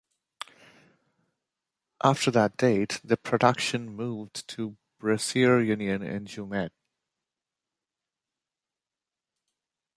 After that date, the production moved to Brasserie Union in Jumet.